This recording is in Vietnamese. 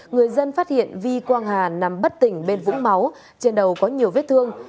người dân phát hiện vi quang hà nằm bất tỉnh bên vũng máu trên đầu có nhiều vết thương